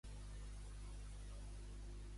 Quan va començar la vida religiosa Jeanne?